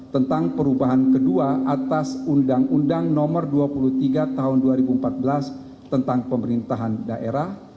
tentang perubahan kedua atas undang undang nomor dua puluh tiga tahun dua ribu empat belas tentang pemerintahan daerah